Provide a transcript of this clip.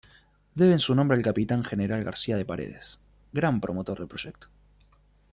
Deben su nombre al capitán general García de Paredes, gran promotor del proyecto.